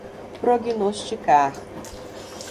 prognosticar